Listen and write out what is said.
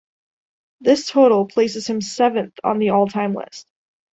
This total places him seventh on the all-time list.